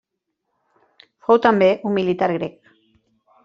Fou també un militar grec.